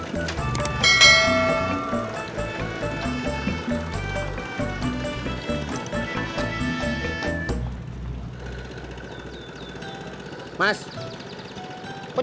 ntar seneng bau pack